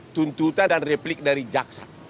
tuntutan dan replik dari jaksa